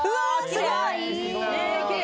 すごい！